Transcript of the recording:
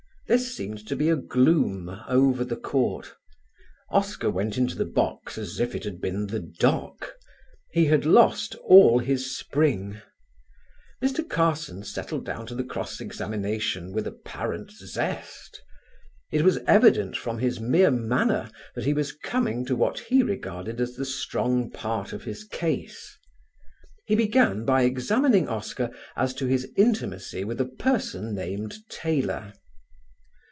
There seemed to be a gloom over the Court. Oscar went into the box as if it had been the dock; he had lost all his spring. Mr. Carson settled down to the cross examination with apparent zest. It was evident from his mere manner that he was coming to what he regarded as the strong part of his case. He began by examining Oscar as to his intimacy with a person named Taylor.